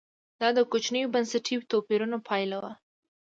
دا د کوچنیو بنسټي توپیرونو پایله وه.